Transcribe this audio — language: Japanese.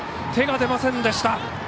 手が出ませんでした。